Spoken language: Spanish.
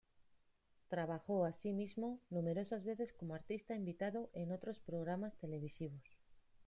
Trabajó, así mismo, numerosas veces como artista invitado en otros programas televisivos.